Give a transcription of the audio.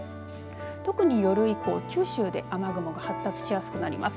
特に夜以降、九州で雨雲が発達しやすくなります。